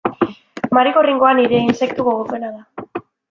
Marigorringoa nire intsektu gogokoena da.